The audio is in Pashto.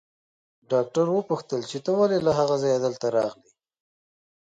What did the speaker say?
ډاکټر وپوښتل چې ته ولې له هغه ځايه دلته راغلې.